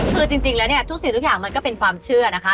คือจริงแล้วเนี่ยทุกสิ่งทุกอย่างมันก็เป็นความเชื่อนะคะ